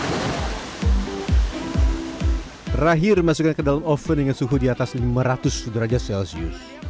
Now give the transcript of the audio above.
terakhir dimasukkan ke dalam oven dengan suhu di atas lima ratus derajat celcius